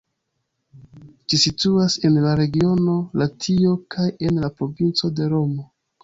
Ĝi situas en la regiono Latio kaj en la provinco de Romo.